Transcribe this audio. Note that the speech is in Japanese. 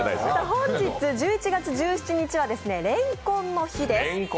本日１１月１７日は蓮根の日です。